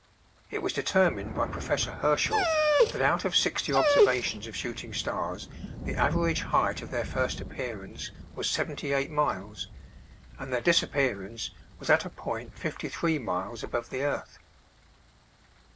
It was determined by Professor Herschel that out of sixty observations of shooting stars the average height of their first appearance was seventy eight miles and their disappearance was at a point fifty three miles above the earth.